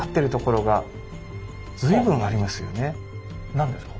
何ですか？